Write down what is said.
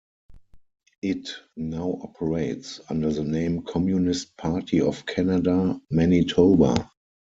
It now operates under the name "Communist Party of Canada - Manitoba".